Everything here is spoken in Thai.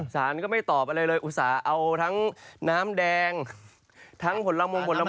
สารก็ไม่ตอบอะไรเลยอุตส่าห์เอาทั้งน้ำแดงทั้งผลมงผลไม้